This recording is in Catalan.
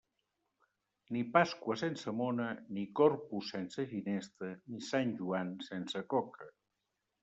Ni Pasqua sense mona, ni Corpus sense ginesta, ni Sant Joan sense coca.